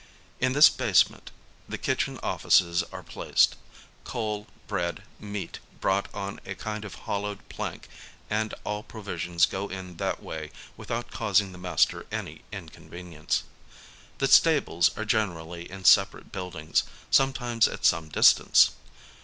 In this basement, the kitchen offices are placed. Coal, bread, meat brought on a kind of hollowed plank, and all provisions go in that way without causing the master any inconvenience. The stables are generally in separate buildings, sometimes at some distance.